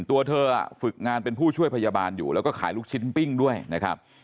ตัวเธอฝึกงานเป็นผู้ช่วยพยาบาลอยู่แล้วก็ขายลูกชิ้นปิ้งด้วยนะครับ